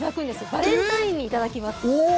バレンタインにいただきます。